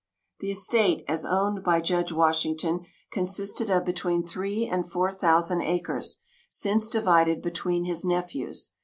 The estate, as owned by Judge Washington, consisted of between three and four thousand acres, since divided between his nephews.